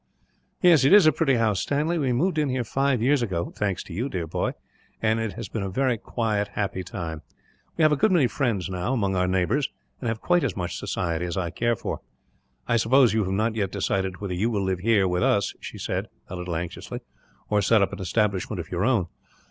"Yes, it is a pretty house, Stanley. We moved in here five years ago thanks to you, dear boy and it has been a very quiet, happy time. We have a good many friends now, among our neighbours; and have quite as much society as I care for. "I suppose you have not yet decided whether you will live here, with us," she said, a little anxiously, "or set up an establishment of your own."